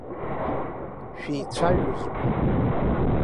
Шәеицәажәозма?